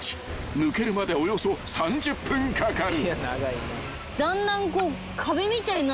［抜けるまでおよそ３０分かかる］